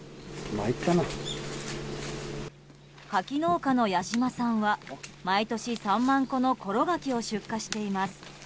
柿農家の八島さんは毎年３万個のころ柿を出荷しています。